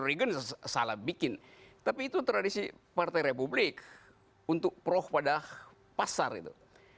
reagan salah bikin tapi itu tradisi partai republik untuk pro pada pasar itu